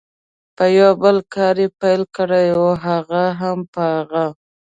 په یو بل کار پیل کړي وي، هغه هم په هغه.